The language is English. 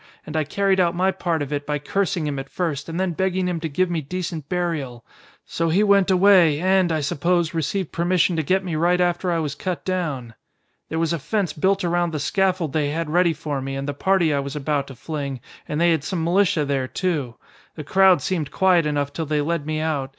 And I carried out my part of it by cursing him at first and then begging him to give me decent burial. So he went away, and, I suppose, received permission to get me right after I was cut down. "There was a fence built around the scaffold they had ready for me and the party I was about to fling, and they had some militia there, too. The crowd seemed quiet enough till they led me out.